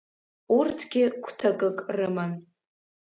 Урҭгьы гәҭакык рыман…